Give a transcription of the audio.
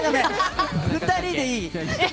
２人でいい！